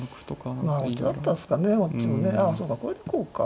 そうかこれでこうか。